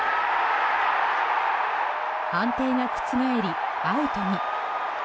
判定が覆りアウトに。